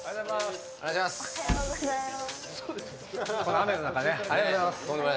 雨の中ありがとうございます。